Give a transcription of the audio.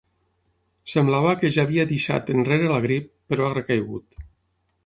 Semblava que ja havia deixat enrere la grip, però ha recaigut.